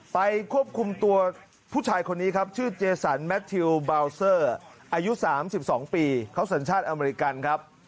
ไปควบคุมตัวผู้ชายคนนี้ครับชื่อเจสันแมททิวบาวเซอร์อายุ๓๒ปีเขาสัญชาติอเมริกันครับ